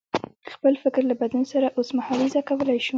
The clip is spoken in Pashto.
خپل فکر له بدلون سره اوسمهالیزه کولای شو.